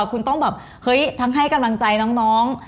คุณต้องแบบเฮ้ยทั้งให้กำลังใจน้อง